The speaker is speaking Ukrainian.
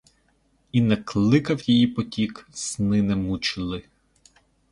І не кликав її потік, сни не мучили.